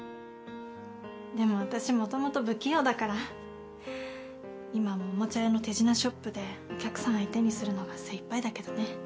でも私もともと不器用だから今もおもちゃ屋の手品ショップでお客さん相手にするのが精いっぱいだけどね。